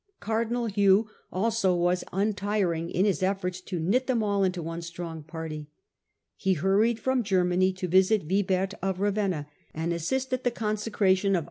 Cardinal Hugh also was untiring in his efibrts to knit them all into one strong party. He hurried from Germany to visit Wibert of Ravenna, and assist in the consecration of Digitized by VjOOQIC Henry IV.